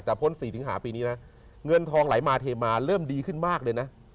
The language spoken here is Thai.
แต่พ้น๔สิงหาปีนี้นะเงินทองไหลมาเทมาเริ่มดีขึ้นมากเลยนะ